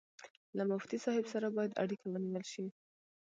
له مفتي صاحب سره باید اړیکه ونیول شي.